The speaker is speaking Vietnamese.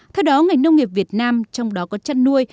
theo đó ngành nông nghiệp việt nam trong đó có chăn nuôi